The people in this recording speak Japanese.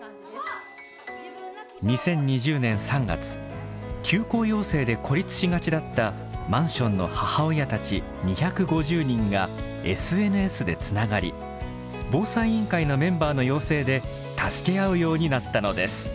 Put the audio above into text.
２０２０年３月休校要請で孤立しがちだったマンションの母親たち２５０人がＳＮＳでつながり防災委員会のメンバーの要請で助け合うようになったのです。